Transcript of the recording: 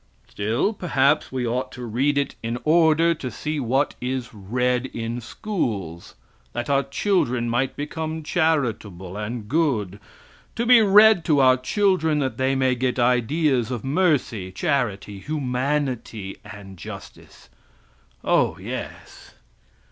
Still, perhaps, we ought to read it in order to see what is read in schools that our children might become charitable and good; to be read to our children that they may get ideas of mercy, charity humanity and justice! Oh, yes!